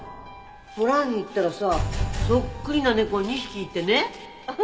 もらいに行ったらさそっくりな猫が２匹いてね。